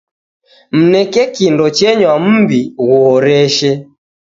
Mneke kindo chenywa mumbi ghuhoreshe